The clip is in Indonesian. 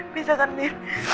bisa kan mir